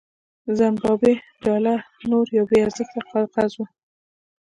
زیمبابويي ډالر نور یو بې ارزښته کاغذ و.